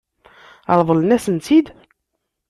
Ṛeḍlen-asen-tt-id?